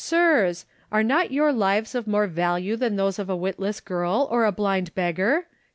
Sics! Are not your lives of more value than those of a witless girl or a blind beggar?